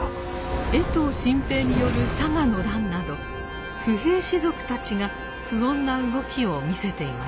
江藤新平による佐賀の乱など不平士族たちが不穏な動きを見せていました。